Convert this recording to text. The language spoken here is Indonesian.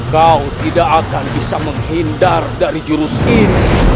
kau tidak akan bisa menghindar dari jurus ini